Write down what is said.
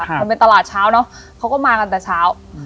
มันเป็นตลาดเช้าเนอะเขาก็มากันแต่เช้า